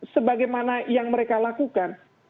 sebagaimana yang mereka lakukan